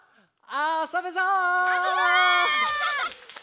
あそぶぞ！